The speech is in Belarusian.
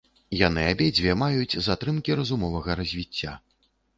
Яны абедзве маюць затрымкі разумовага развіцця.